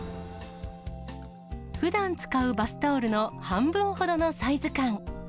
ふだん使うバスタオルの半分ほどのサイズ感。